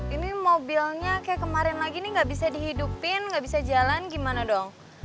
ini mobilnya kayak kemarin lagi nih gak bisa dihidupin nggak bisa jalan gimana dong